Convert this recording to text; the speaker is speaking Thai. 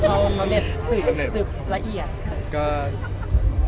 ฉลาดเลย